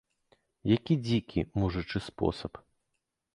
Які дзікі, мужычы спосаб.